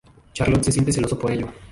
Charlot se siente celoso por ello.